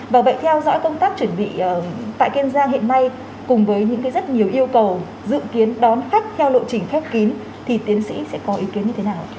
và vậy theo dõi công tác chuẩn bị tại kiên giang hiện nay cùng với những rất nhiều yêu cầu dự kiến đón khách theo lộ trình khép kín thì tiến sĩ sẽ có ý kiến như thế nào